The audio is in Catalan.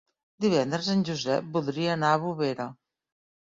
Divendres en Josep voldria anar a Bovera.